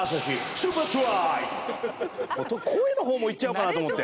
声の方もいっちゃおうかなと思って。